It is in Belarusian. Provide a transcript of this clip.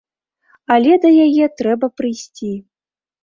Але да яе трэба прыйсці.